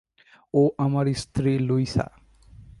ও আমার স্ত্রী, লুইসা।